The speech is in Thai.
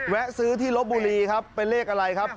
ซื้อที่ลบบุรีครับเป็นเลขอะไรครับ